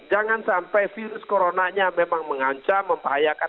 jangan sampai virus coronanya memang mengancam membahayakan